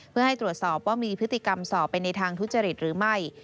เพื่อให้ตรวจสอบว่ามีพฤติกรรมสอบไปในทางทุจริตหรือไม่